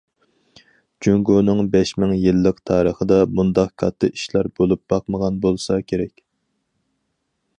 جۇڭگونىڭ بەش مىڭ يىللىق تارىخىدا مۇنداق كاتتا ئىشلار بولۇپ باقمىغان بولسا كېرەك.